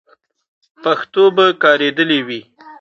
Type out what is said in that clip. پښتو به کارېدلې وي.